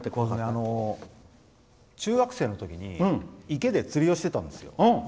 中学生のときに池で釣りをしてたんですよ。